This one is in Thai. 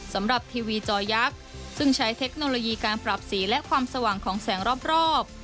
สำหรับทีวีจอยักษ์ซึ่งใช้เทคโนโลยีการปรับสีและความสว่างของแสงรอบ